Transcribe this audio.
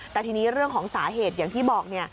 แต่ทีนี้เรื่องของสาเหตุอย่างที่บอกเนี่ย